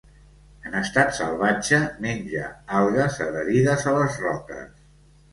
En estat salvatge, menja algues adherides a les roques.